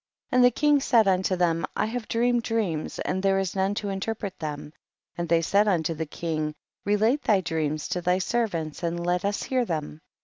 And the king said unto them, I have dreamed dreams, and there is none to interpret them ; and they said unto the king, relate thy dreams to tliy servants and let us hear them.